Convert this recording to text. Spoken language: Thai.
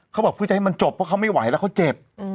เขาบอกเพื่อจะให้มันจบเพราะเขาไม่ไหวแล้วเขาเจ็บ